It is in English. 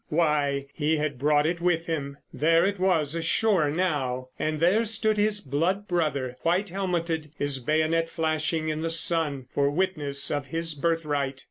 Why, he had brought it with him. There it was ashore now, and there stood his blood brother, white helmeted, his bayonet flashing in the sun for witness of his birthright.